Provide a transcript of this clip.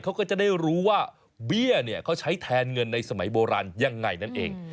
เขาก็จะได้รู้ว่าเบี้ยเนี่ยเขาใช้แทนเงินในสมัยโบราณยังไงนั่นเอง